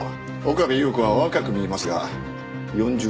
岡部祐子は若く見えますが４０代です。